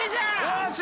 よし！